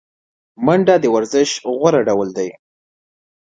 منډه د ورزش غوره ډول دی